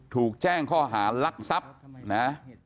ถูกแจ้งข้อหารักทรัพย์นะ